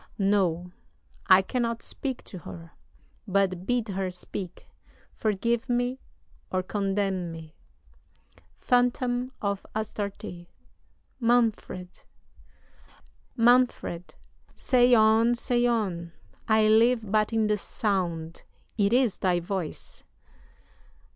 No, I cannot speak to her but bid her speak Forgive me or condemn me. "PHANTOM OF ASTARTE. Manfred! "MANFRED. Say on, say on I live but in the sound it is thy voice!